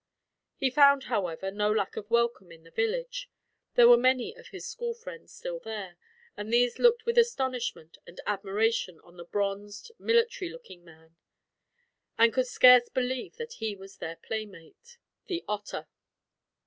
He found, however, no lack of welcome in the village. There were many of his school friends still there, and these looked with astonishment and admiration on the bronzed, military looking man, and could scarce believe that he was their playmate, the Otter.